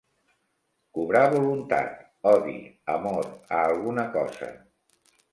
Cobrar voluntat, odi, amor, a alguna cosa.